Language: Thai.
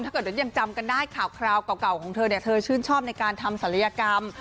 ถ้าเกิดยังจำกันได้ข่าวคราวเก่าของเธอเนี่ยเธอชื่นชอบในการทำศัลยกรรม